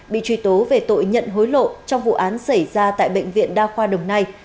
bị truy tố về tội nhận hối lộ trong vụ án xảy ra tại bệnh viện đa khoa đồng nai